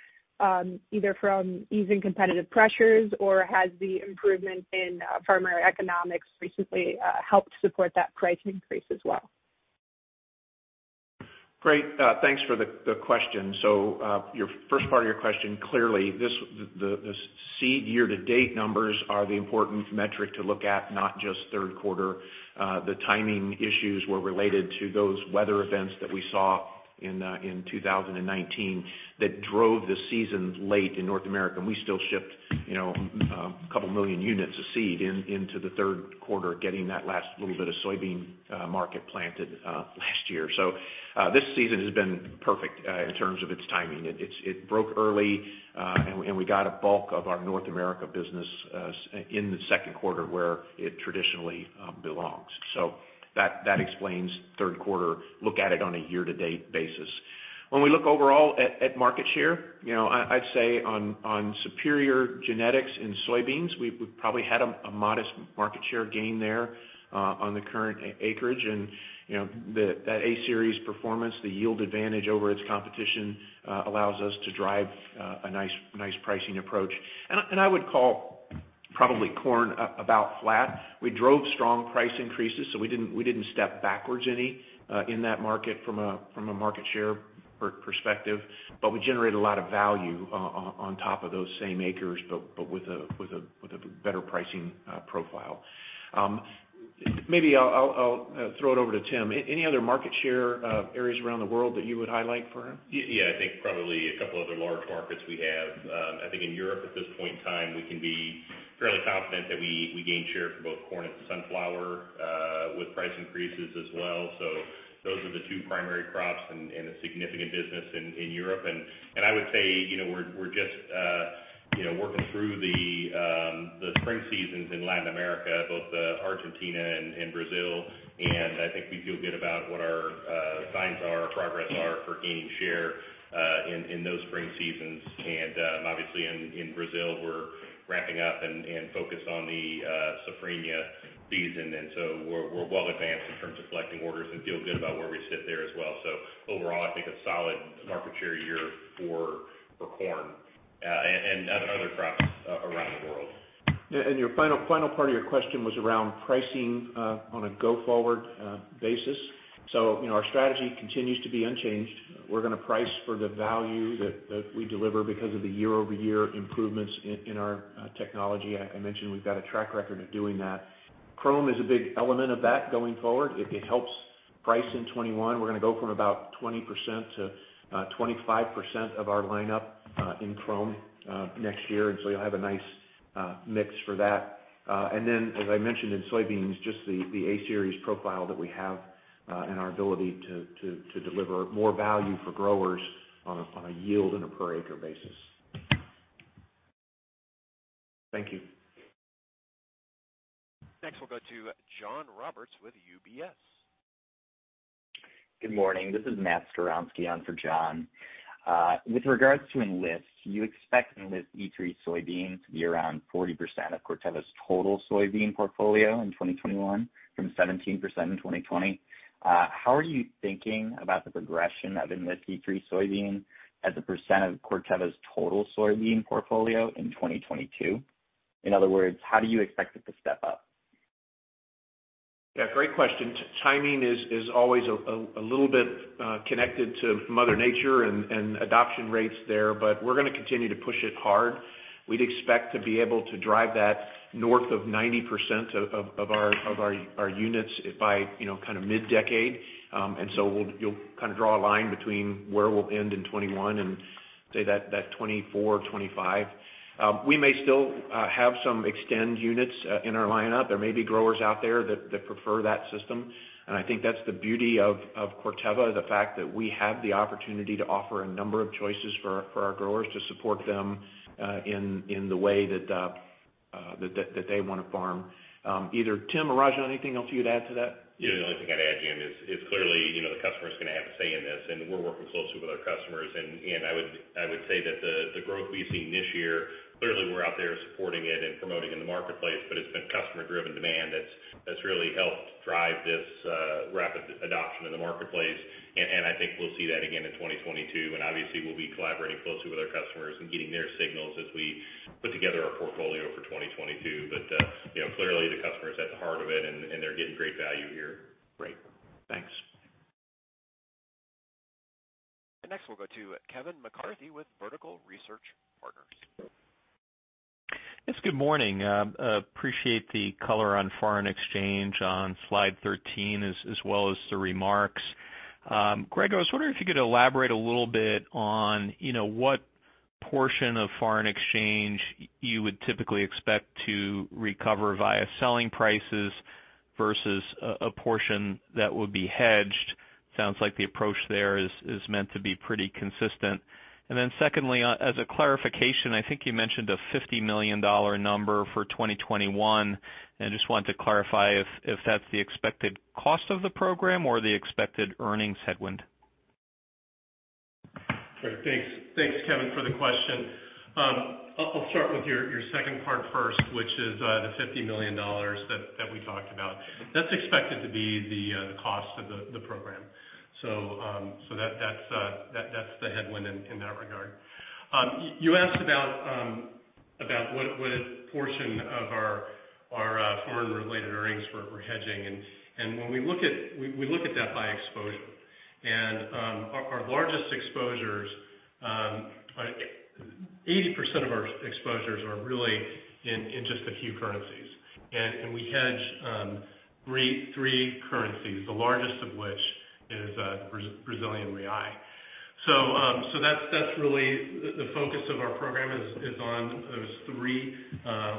either from easing competitive pressures, or has the improvement in primary economics recently helped support that price increase as well? Great. Thanks for the question. First part of your question, clearly, the seed year-to-date numbers are the important metric to look at, not just third quarter. The timing issues were related to those weather events that we saw in 2019 that drove the season late in North America, and we still shipped 2 million units of seed into the third quarter, getting that last little bit of soybean market planted last year. This season has been perfect in terms of its timing. It broke early, and we got a bulk of our North America business in the second quarter where it traditionally belongs. That explains third quarter. Look at it on a year-to-date basis. When we look overall at market share, I'd say on superior genetics in soybeans, we probably had a modest market share gain there on the current acreage and that A-Series performance, the yield advantage over its competition allows us to drive a nice pricing approach. I would call probably corn about flat. We drove strong price increases, so we didn't step backwards any in that market from a market share perspective. We generated a lot of value on top of those same acres, but with a better pricing profile. Maybe I'll throw it over to Tim. Any other market share areas around the world that you would highlight for him? Yeah, I think probably a couple other large markets we have. I think in Europe at this point in time, we can be fairly confident that we gained share for both corn and sunflower with price increases as well. Those are the two primary crops and a significant business in Europe. I would say, we're just working through the spring seasons in Latin America, both Argentina and Brazil. I think we feel good about what our signs are, progress are for gaining share in those spring seasons. Obviously in Brazil, we're wrapping up and focused on the safrinha season. We're well advanced in terms of collecting orders and feel good about where we sit there as well. Overall, I think a solid market share year for corn and other crops around the world. Your final part of your question was around pricing on a go-forward basis. Our strategy continues to be unchanged. We're going to price for the value that we deliver because of the year-over-year improvements in our technology. I mentioned we've got a track record of doing that. Qrome is a big element of that going forward. It helps price in 2021. We're going to go from about 20% to 25% of our lineup in Qrome next year. You'll have a nice mix for that. As I mentioned in soybeans, just the A-Series profile that we have, and our ability to deliver more value for growers on a yield and a per acre basis. Thank you. Next, we'll go to John Roberts with UBS. Good morning. This is Matt Skowronski on for John. With regards to Enlist, do you expect Enlist E3 soybean to be around 40% of Corteva's total soybean portfolio in 2021 from 17% in 2020? How are you thinking about the progression of Enlist E3 soybean as a percent of Corteva's total soybean portfolio in 2022? In other words, how do you expect it to step up? Yeah, great question. Timing is always a little bit connected to Mother Nature and adoption rates there, but we're going to continue to push it hard. We'd expect to be able to drive that north of 90% of our units by mid-decade. You'll draw a line between where we'll end in 2021 and say that 2024 or 2025. We may still have some Xtend units in our lineup. There may be growers out there that prefer that system, and I think that's the beauty of Corteva, the fact that we have the opportunity to offer a number of choices for our growers to support them in the way that they want to farm. Either Tim or Rajan, anything else you'd add to that? Yeah, the only thing I'd add, Jim, is clearly, the customer's going to have a say in this, and we're working closely with our customers. I would say that the growth we've seen this year, clearly, we're out there supporting it and promoting in the marketplace, but it's been customer-driven demand that's really helped drive this rapid adoption in the marketplace. I think we'll see that again in 2022. Obviously, we'll be collaborating closely with our customers and getting their signals as we put together our portfolio for 2022. Clearly, the customer's at the heart of Next, we'll go to Kevin McCarthy with Vertical Research Partners. Yes, good morning. Appreciate the color on foreign exchange on slide 13, as well as the remarks. Greg, I was wondering if you could elaborate a little bit on what portion of foreign exchange you would typically expect to recover via selling prices versus a portion that would be hedged. Sounds like the approach there is meant to be pretty consistent. Then secondly, as a clarification, I think you mentioned a $50 million number for 2021, and just wanted to clarify if that's the expected cost of the program or the expected earnings headwind. Sure. Thanks, Kevin, for the question. I'll start with your second part first, which is the $50 million that we talked about. That's expected to be the cost of the program. That's the headwind in that regard. You asked about what portion of our foreign-related earnings we're hedging, and we look at that by exposure. Our largest exposures, 80% of our exposures are really in just a few currencies. We hedge three currencies, the largest of which is Brazilian real. That's really the focus of our program is on those three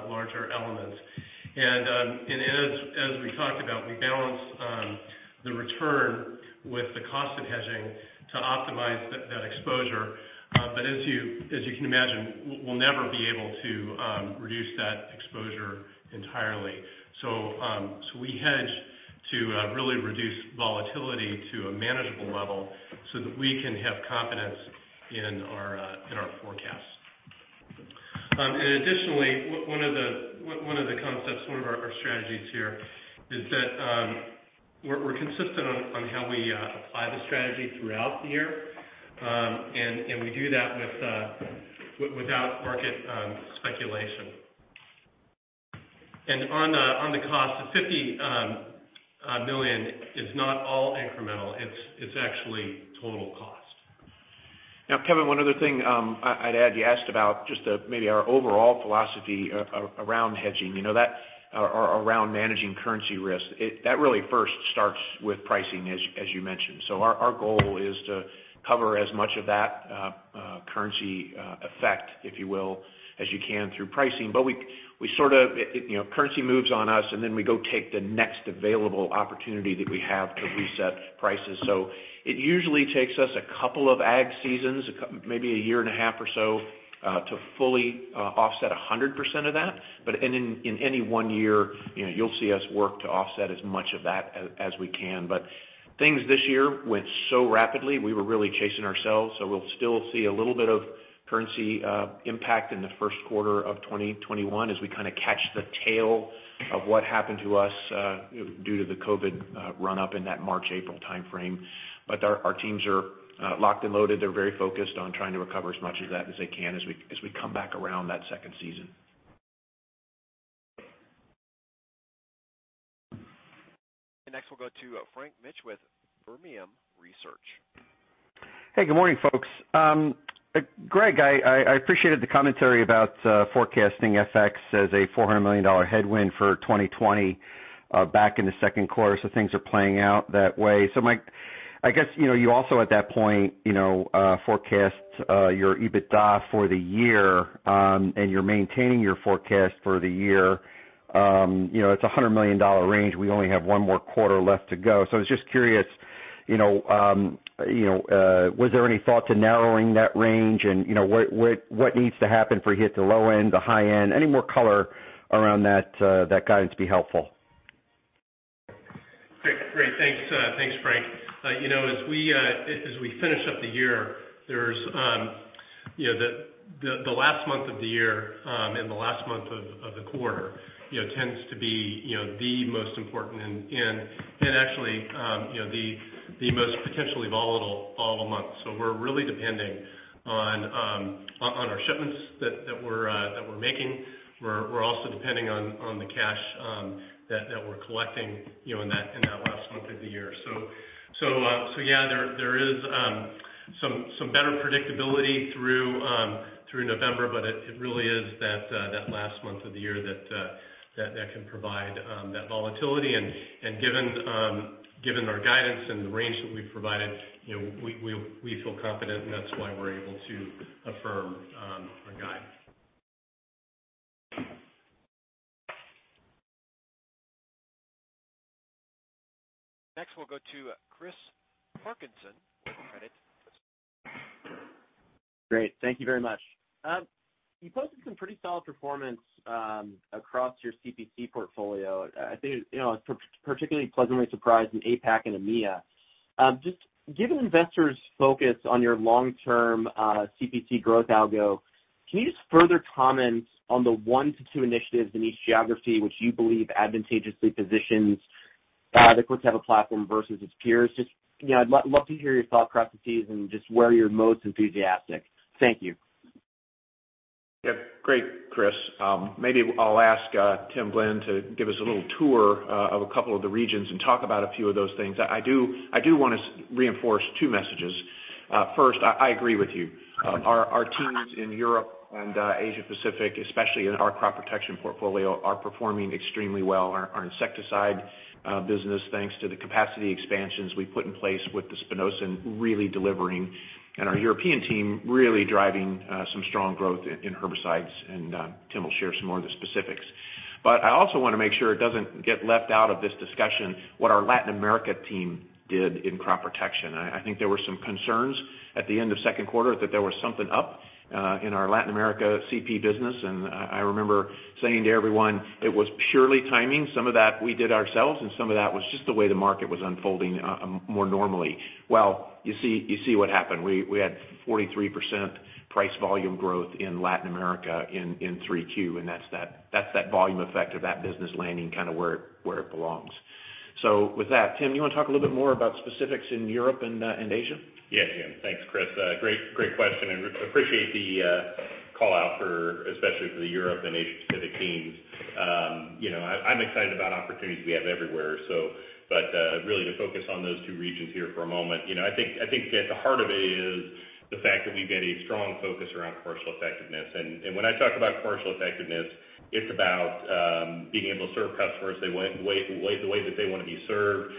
larger elements. As we talked about, we balance the return with the cost of hedging to optimize that exposure. As you can imagine, we'll never be able to reduce that exposure entirely. We hedge to really reduce volatility to a manageable level so that we can have confidence in our forecasts. Additionally, one of the concepts, one of our strategies here is that we're consistent on how we apply the strategy throughout the year. We do that without market speculation. On the cost of $50 million is not all incremental, it's actually total cost. Kevin, one other thing I'd add. You asked about just maybe our overall philosophy around hedging or around managing currency risk. That really first starts with pricing, as you mentioned. Our goal is to cover as much of that currency effect, if you will, as you can through pricing. Currency moves on us, and then we go take the next available opportunity that we have to reset prices. It usually takes us a couple of ag seasons, maybe a year and a half or so, to fully offset 100% of that. In any one year, you'll see us work to offset as much of that as we can. Things this year went so rapidly, we were really chasing ourselves. We'll still see a little bit of currency impact in the first quarter of 2021 as we kind of catch the tail of what happened to us due to the COVID run-up in that March-April timeframe. Our teams are locked and loaded. They're very focused on trying to recover as much of that as they can as we come back around that second season. Next, we'll go to Frank Mitsch with Fermium Research. Hey, good morning, folks. Greg, I appreciated the commentary about forecasting FX as a $400 million headwind for 2020 back in the second quarter. Things are playing out that way. I guess, you also at that point forecast your EBITDA for the year, and you're maintaining your forecast for the year. It's $100 million range. We only have one more quarter left to go. I was just curious, was there any thought to narrowing that range? What needs to happen for you to hit the low end, the high end? Any more color around that guidance would be helpful. Great. Thanks, Frank. As we finish up the year, the last month of the year and the last month of the quarter tends to be the most important and actually the most potentially volatile of all the months. We're really depending on our shipments that we're making. We're also depending on the cash that we're collecting in that last month of the year. Yeah, there is some better predictability through November, but it really is that last month of the year that can provide that volatility. Given our guidance and the range that we've provided, we feel confident, and that's why we're able to affirm our guidance. Next, we'll go to Chris Parkinson with Credit Suisse. Great. Thank you very much. You posted some pretty solid performance across your CP portfolio. I was particularly pleasantly surprised in APAC and EMEA. Given investors' focus on your long-term CP growth algo, can you just further comment on the one to two initiatives in each geography which you believe advantageously positions the Corteva platform versus its peers? I'd love to hear your thought processes and just where you're most enthusiastic. Thank you. Great, Chris. Maybe I'll ask Tim Glenn to give us a little tour of a couple of the regions and talk about a few of those things. I do want to reinforce two messages. First, I agree with you. Our teams in Europe and Asia Pacific, especially in our crop protection portfolio, are performing extremely well. Our insecticide business, thanks to the capacity expansions we put in place with the spinosyn, really delivering. Our European team really driving some strong growth in herbicides. Tim will share some more of the specifics. I also want to make sure it doesn't get left out of this discussion what our Latin America team did in crop protection. I think there were some concerns at the end of second quarter that there was something up in our Latin America CP business. I remember saying to everyone it was purely timing. Some of that we did ourselves, and some of that was just the way the market was unfolding more normally. Well, you see what happened. We had 43% price volume growth in Latin America in Q3, and that's that volume effect of that business landing kind of where it belongs. With that, Tim, you want to talk a little bit more about specifics in Europe and Asia? Yeah. Thanks, Chris. Great question, and appreciate the call out for, especially for the Europe and Asia Pacific teams. I'm excited about opportunities we have everywhere. Really to focus on those two regions here for a moment. I think at the heart of it is the fact that we've got a strong focus around commercial effectiveness. When I talk about commercial effectiveness, it's about being able to serve customers the way that they want to be served.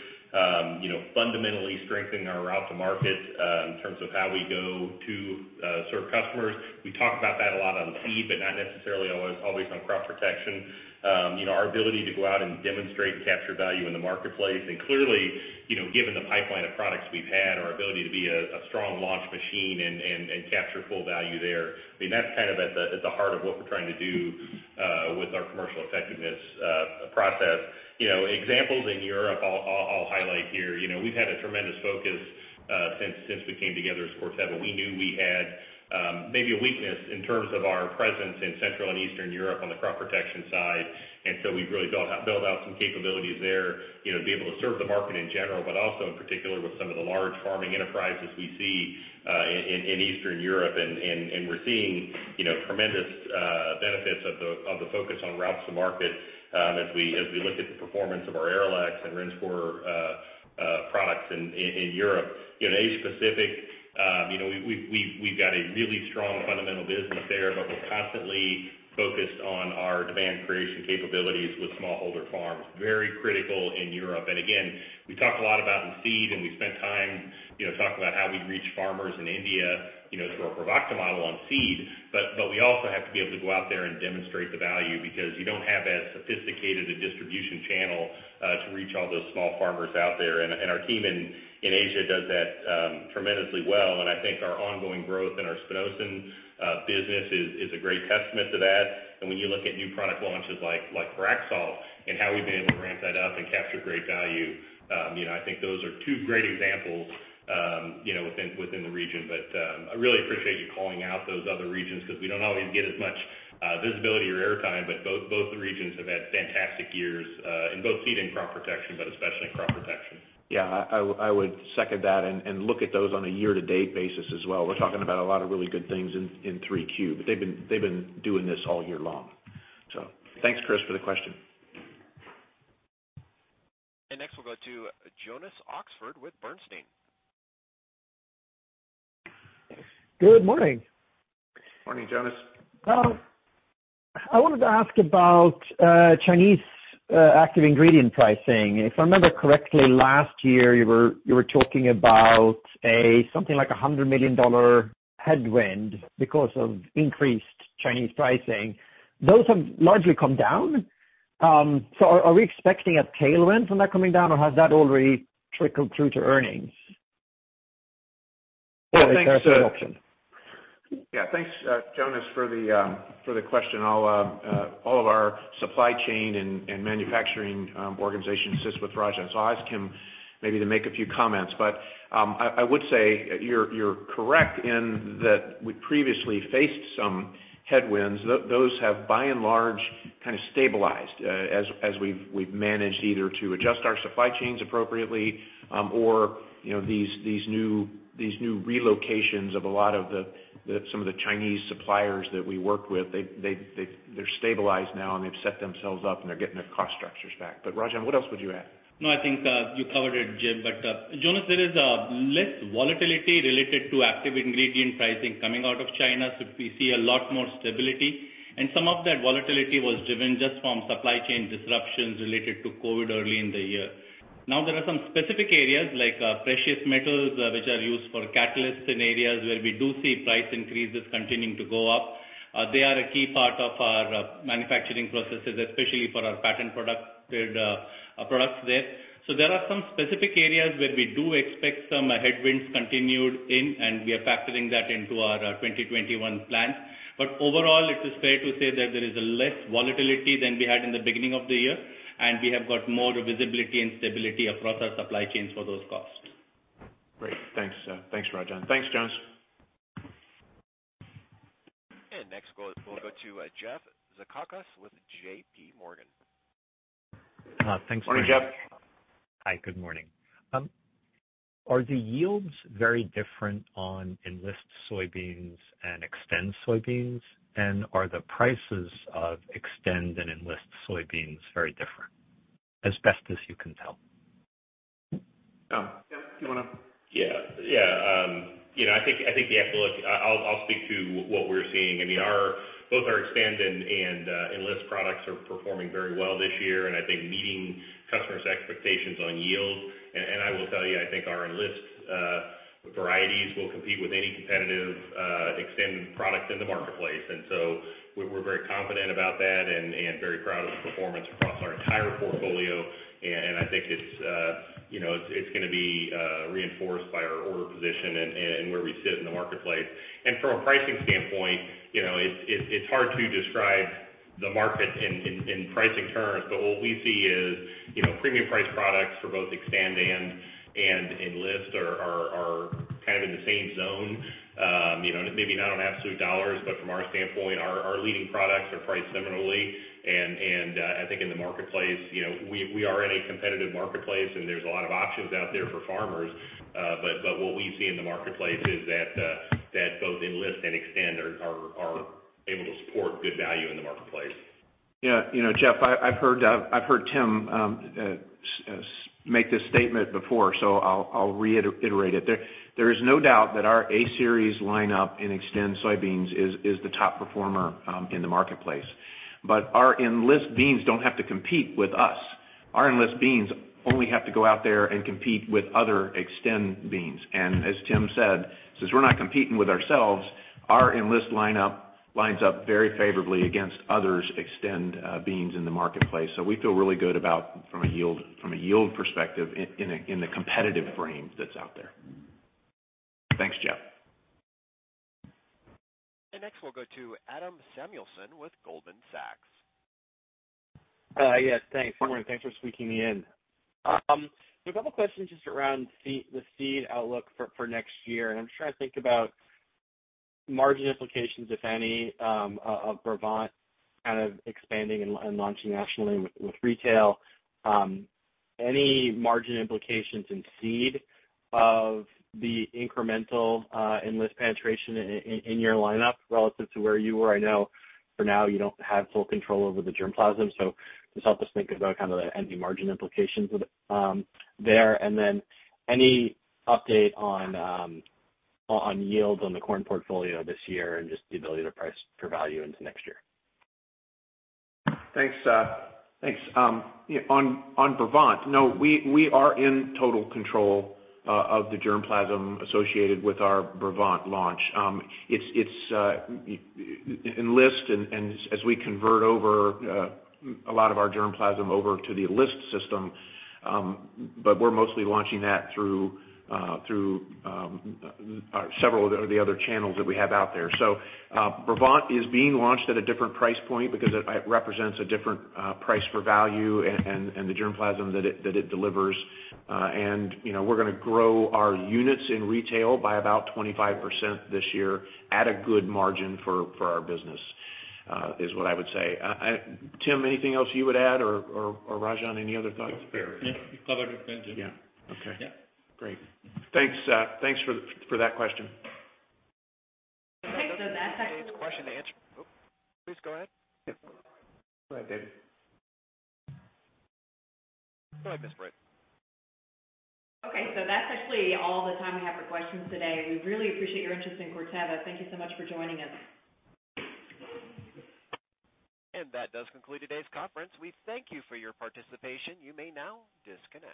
Fundamentally strengthening our route to market in terms of how we go to serve customers. We talk about that a lot on seed, but not necessarily always on crop protection. Our ability to go out and demonstrate and capture value in the marketplace. Clearly, given the pipeline of products we've had, our ability to be a strong launch machine and capture full value there. That's kind of at the heart of what we're trying to do with our commercial effectiveness process. Examples in Europe I'll highlight here. We've had a tremendous focus since we came together as Corteva. We knew we had maybe a weakness in terms of our presence in Central and Eastern Europe on the crop protection side. We've really built out some capabilities there to be able to serve the market in general, but also in particular with some of the large farming enterprises we see in Eastern Europe. We're seeing tremendous benefits of the focus on routes to market as we look at the performance of our Arylex and Rinskor products in Europe. In Asia Pacific, we've got a really strong fundamental business there, but we're constantly focused on our demand creation capabilities with smallholder farms. Very critical in Europe. Again, we talk a lot about in seed and we spent time talking about how we reach farmers in India through our Pravakta model on seed. We also have to be able to go out there and demonstrate the value because you don't have as sophisticated a distribution channel to reach all those small farmers out there. Our team in Asia does that tremendously well. I think our ongoing growth in our spinosyn business is a great testament to that. When you look at new product launches like Braxol and how we've been able to ramp that up and capture great value, I think those are two great examples within the region. I really appreciate you calling out those other regions because we don't always get as much visibility or air time, but both regions have had fantastic years in both seed and crop protection, but especially in crop protection. I would second that and look at those on a year-to-date basis as well. We're talking about a lot of really good things in Q3, but they've been doing this all year-long. Thanks, Chris, for the question. Next, we'll go to Jonas Oxgaard with Bernstein. Good morning. Morning, Jonas. I wanted to ask about Chinese active ingredient pricing. If I remember correctly, last year you were talking about something like $100 million headwind because of increased Chinese pricing. Those have largely come down. Are we expecting a tailwind from that coming down or has that already trickled through to earnings? Is there a production? Yeah. Thanks, Jonas for the question. All of our supply chain and manufacturing organization sits with Rajan. I'll ask him maybe to make a few comments. I would say you're correct in that we previously faced some headwinds. Those have by and large kind of stabilized as we've managed either to adjust our supply chains appropriately or these new relocations of a lot of some of the Chinese suppliers that we work with. They're stabilized now and they've set themselves up and they're getting their cost structures back. Rajan, what else would you add? I think you covered it, Jim. Jonas, there is less volatility related to active ingredient pricing coming out of China. We see a lot more stability and some of that volatility was driven just from supply chain disruptions related to COVID early in the year. There are some specific areas like precious metals, which are used for catalysts in areas where we do see price increases continuing to go up. They are a key part of our manufacturing processes, especially for our patent products there. There are some specific areas where we do expect some headwinds continued in and we are factoring that into our 2021 plans. Overall, it is fair to say that there is less volatility than we had in the beginning of the year and we have got more visibility and stability across our supply chains for those costs. Great. Thanks. Thanks, Rajan. Thanks, Jonas. Next we'll go to Jeffrey Zekauskas with JPMorgan. Thanks. Morning, Jeff. Hi, good morning. Are the yields very different on Enlist soybeans and Xtend soybeans? Are the prices of Xtend and Enlist soybeans very different, as best as you can tell? Tim, do you want to? Yeah. I'll speak to what we're seeing. Both our Xtend and Enlist products are performing very well this year, and I think meeting customers' expectations on yield. I will tell you, I think our Enlist varieties will compete with any competitive Xtend product in the marketplace. We're very confident about that and very proud of the performance across our entire portfolio. I think it's going to be reinforced by our order position and where we sit in the marketplace. From a pricing standpoint, it's hard to describe the market in pricing terms. What we see is premium-priced products for both Xtend and Enlist are kind of in the same zone. Maybe not on absolute dollars, but from our standpoint, our leading products are priced similarly. I think in the marketplace, we are in a competitive marketplace, and there's a lot of options out there for farmers. What we see in the marketplace is that both Enlist and Xtend are able to support good value in the marketplace. Yeah. Jeff, I've heard Tim make this statement before, so I'll reiterate it. There is no doubt that our A-Series lineup in Xtend soybeans is the top performer in the marketplace. Our Enlist beans don't have to compete with us. Our Enlist beans only have to go out there and compete with other Xtend beans. As Tim said, since we're not competing with ourselves, our Enlist lineup lines up very favorably against others' Xtend beans in the marketplace. We feel really good about from a yield perspective in the competitive frame that's out there. Thanks, Jeff. Next, we'll go to Adam Samuelson with Goldman Sachs. Yes, thanks. Good morning. Thanks for squeezing me in. A couple questions just around the seed outlook for next year, and I'm just trying to think about margin implications, if any, of Brevant kind of expanding and launching nationally with retail. Any margin implications in seed of the incremental Enlist penetration in your lineup relative to where you were? I know for now you don't have full control over the germplasm, so just help us think about the end margin implications there. Any update on yields on the corn portfolio this year and just the ability to price for value into next year. Thanks. On Brevant, no, we are in total control of the germplasm associated with our Brevant launch. Enlist and as we convert over a lot of our germplasm over to the Enlist system, but we're mostly launching that through several of the other channels that we have out there. Brevant is being launched at a different price point because it represents a different price for value and the germplasm that it delivers. We're going to grow our units in retail by about 25% this year at a good margin for our business, is what I would say. Tim, anything else you would add, or Rajan, any other thoughts? No. You covered it, Jim. Yeah. Okay. Yeah. Great. Thanks for that question. Please go ahead. Go ahead, David. Go ahead, Ms. Britt. That's actually all the time we have for questions today. We really appreciate your interest in Corteva. Thank you so much for joining us. That does conclude today's conference. We thank you for your participation. You may now disconnect.